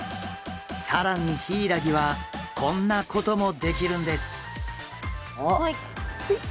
更にヒイラギはこんなこともできるんです！